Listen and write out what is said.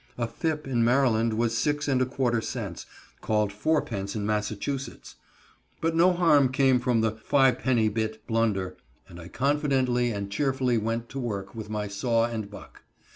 A fip in Maryland was six and a quarter cents, called fourpence in Massachusetts. But no harm came from the "fi'penny bit" blunder, and I confidently and cheerfully went to work with my saw and buck.